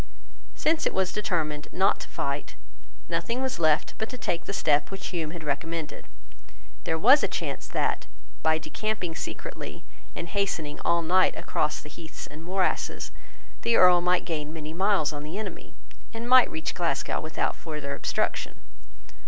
Since it was determined not to fight, nothing was left but to take the step which Hume had recommended. There was a chance that, by decamping secretly, and hastening all night across heaths and morasses, the Earl might gain many miles on the enemy, and might reach Glasgow without further obstruction.